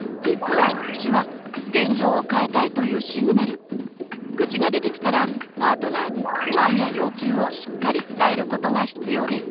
実は愚痴が出てきたらパートナーに不満や要求をしっかり伝えることが必要です。